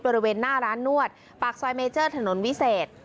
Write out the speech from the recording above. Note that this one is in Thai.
บริเวณหน้าร้านนวดปากซอยเมเจอร์ถนนวิเศษ